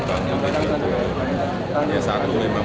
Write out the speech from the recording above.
hanya satu memang